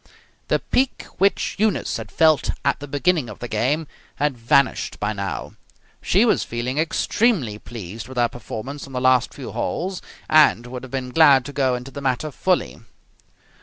The pique which Eunice had felt at the beginning of the game had vanished by now. She was feeling extremely pleased with her performance on the last few holes, and would have been glad to go into the matter fully.